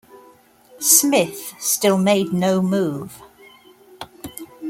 Smith still made no move.